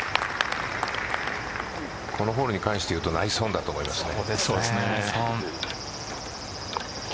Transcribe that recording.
このホールに関して言うとナイスオンだと思いますがね。